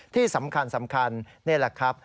ที่สำคัญนี่แหละครับ